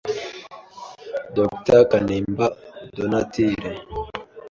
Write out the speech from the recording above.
Dr. Kanimba Donatile,